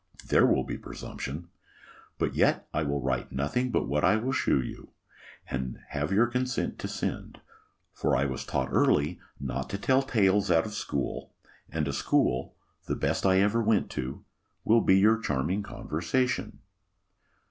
There will be presumption! But yet I will write nothing but what I will shew you, and have your consent to send! For I was taught early not to tell tales out of school; and a school, the best I ever went to, will be your charming conversation.